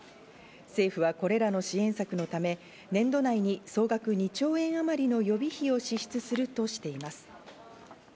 政府はこれらの支援策のため、年度内に総額２兆円あまりの予備費を支出するとしています。